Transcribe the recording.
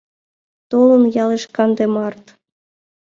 Толын ялыш канде март.